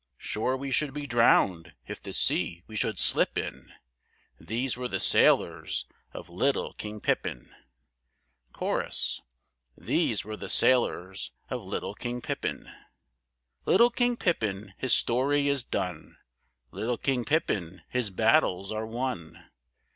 "Sure we should be drowned if the sea we should slip in!" These were the sailors of little King Pippin. Cho.—These were the sailors of little King Pippin. Little King Pippin, his story is done; Little King Pippin, his battles are won.